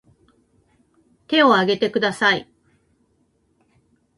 手を挙げてください